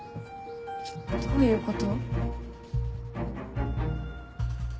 どういうこと？